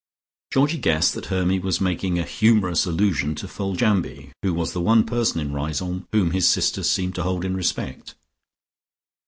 Georgie guessed that Hermy was making a humourous allusion to Foljambe, who was the one person in Riseholme whom his two sisters seemed to hold in respect.